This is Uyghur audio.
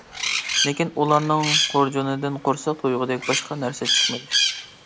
لېكىن ئۇلارنىڭ خۇرجۇنىدىن قورساق تويغۇدەك باشقا نەرسە چىقمىدى.